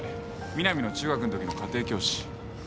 南の中学のときの家庭教師。